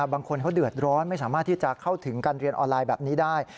บางคนเขาเดือดร้อนไม่สามารถที่จะเข้าถึงการเรียนออนไลน์แบบนี้ได้